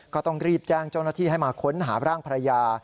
ก็ต้องรีบแจ้งเจ้าหน้าที่ให้มาค้นหาร่างภรรยา